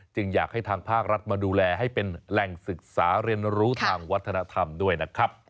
อยากให้ทางภาครัฐมาดูแลให้เป็นแหล่งศึกษาเรียนรู้ทางวัฒนธรรมด้วยนะครับ